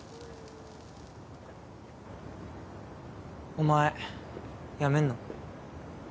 お前辞めんの？